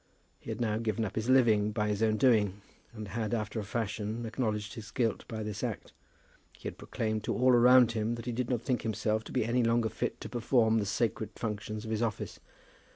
He had now given up his living by his own doing, and had after a fashion acknowledged his guilt by this act. He had proclaimed to all around him that he did not think himself to be any longer fit to perform the sacred functions of his office.